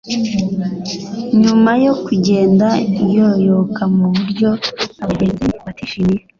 nyuma yo kugenda iyoyoka mu buryo abagenzi batishimiye